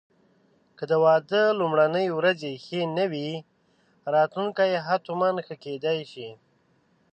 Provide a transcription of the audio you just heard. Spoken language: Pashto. که د واده لومړني ورځې ښې نه وې، راتلونکی حتماً ښه کېدای شي.